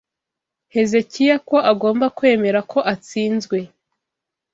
Hezekiya ko agomba kwemera ko atsinzwe